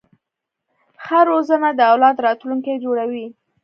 ښه روزنه د اولاد راتلونکی جوړوي.